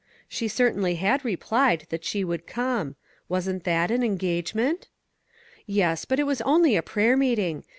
She certainly had replied that she would come. Wasn't that an engagement? Yes ; but it was only a prayer meeting.